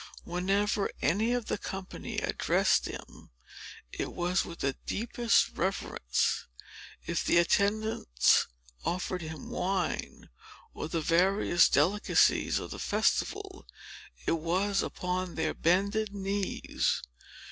Whenever any of the company addressed him, it was with the deepest reverence. If the attendants offered him wine, or the various delicacies of the festival, it was upon their bended knees.